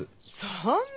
そんな。